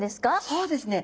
そうですね。